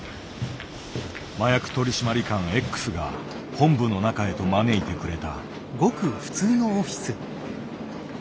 麻薬取締官Ｘが本部の中へと招いてくれた。